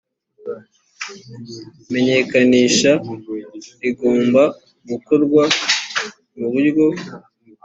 menyekanisha rigomba gukorwa mu buryo